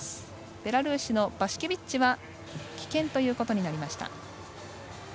ベラルーシのバシケビッチは棄権ということになりました。